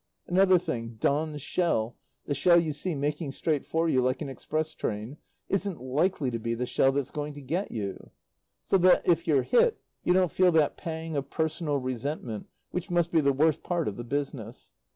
Another thing, Don's shell, the shell you see making straight for you like an express train, isn't likely to be the shell that's going to get you; so that if you're hit you don't feel that pang of personal resentment which must be the worst part of the business.